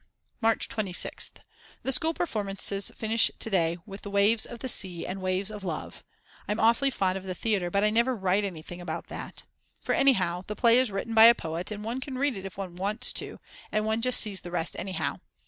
March 26th. The school performances finish today with Waves of the Sea and Waves of Love. I'm awfully fond of the theatre, but I never write anything about that. For anyhow the play is written by a poet and one can read it if one wants to, and one just sees the rest anyhow.